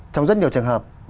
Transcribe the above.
trong rất nhiều trường hợp